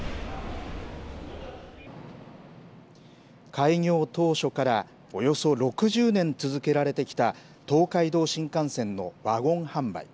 開業当初からおよそ６０年続けられてきた、東海道新幹線のワゴン販売。